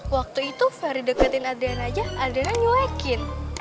waktu itu verdi deketin adriana aja adriana nyelekin